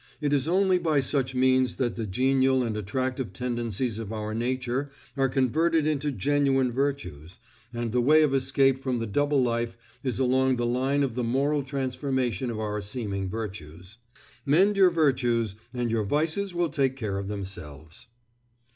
It is only by such means that the genial and attractive tendencies of our nature are converted into genuine virtues, and the way of escape from the double life is along the line of the moral transformation of our seeming virtues. _Mend your virtues, and your vices will take care of themselves.